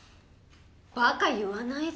バカ言わないで。